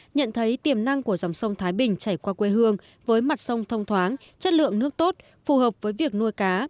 nhận thấy tiềm năng của dòng sông thái bình chảy qua quê hương với mặt sông thông thoáng chất lượng nước tốt phù hợp với việc nuôi cá